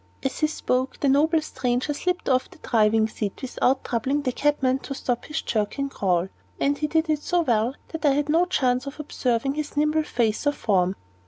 As he spoke, the noble stranger slipped off the driving seat without troubling the cabman to stop his jerking crawl, and he did it so well that I had no chance of observing his nimble face or form.